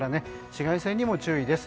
紫外線にも注意です。